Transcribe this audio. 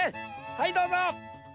はいどうぞ。